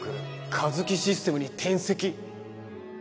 カヅキシステムに転籍！？